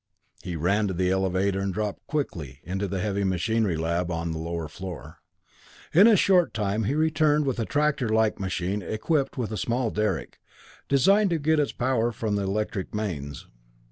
He ran to the elevator and dropped quickly to the heavy machinery lab on the lower floor. In a short time he returned with a tractor like machine equipped with a small derrick, designed to get its power from the electric mains.